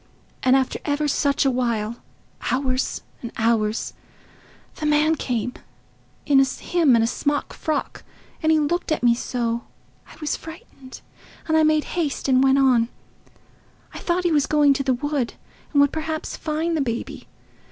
And after ever such a while—hours and hours—the man came—him in a smock frock, and he looked at me so, I was frightened, and I made haste and went on. I thought he was going to the wood and would perhaps find the baby.